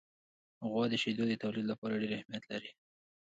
غوا د شیدو د تولید لپاره ډېر اهمیت لري.